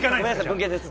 文系です。